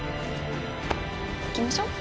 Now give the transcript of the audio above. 行きましょう。